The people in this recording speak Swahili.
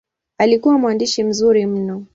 Alikuwa mwandishi mzuri mno.